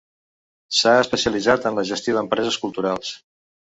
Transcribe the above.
S'ha especialitzat en la gestió d'empreses culturals.